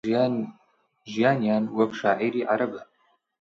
ژیانیان وەک عەشایری عەرەبە